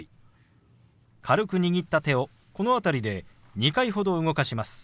軽く握った手をこの辺りで２回ほど動かします。